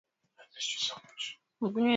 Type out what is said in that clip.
na polisi kwa kukipendelea chama tawala cha Zanu